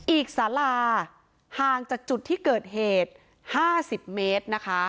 สาราห่างจากจุดที่เกิดเหตุ๕๐เมตรนะคะ